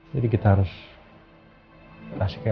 jadi kita harus kasih ke elsa